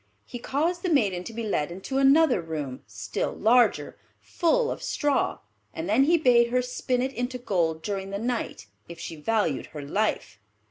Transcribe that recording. He caused the maiden to be led into another room, still larger, full of straw; and then he bade her spin it into gold during the night if she valued her life.